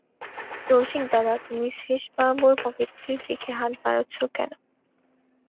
রসিকদাদা, তুমি শ্রীশবাবুর পকেটের দিকে হাত বাড়াচ্ছ কেন?